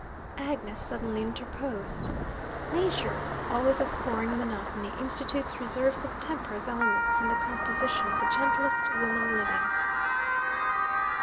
Agnes suddenly interposed. Nature, always abhorring monotony, institutes reserves of temper as elements in the composition of the gentlest women living.